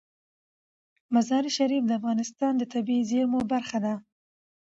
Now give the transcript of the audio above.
مزارشریف د افغانستان د طبیعي زیرمو برخه ده.